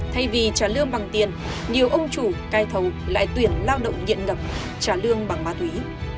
thay vì trả lương bằng tiền nhiều ông chủ cai thầu lại tuyển lao động nghiện ngập trả lương bằng ma túy